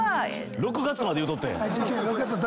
「６月」まで言うとった。